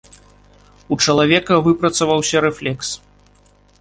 У чалавека выпрацаваўся рэфлекс.